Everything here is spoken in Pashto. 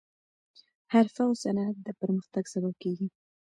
حرفه او صنعت د پرمختګ سبب کیږي.